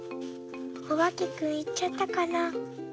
おばけくんいっちゃったかな？